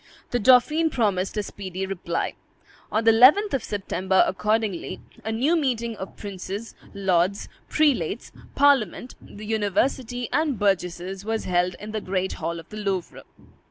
The dauphin promised a speedy reply. On the 11th of September, accordingly, a new meeting of princes, lords, prelates, parliament, the university, and burgesses was held in the great hall of the Louvre.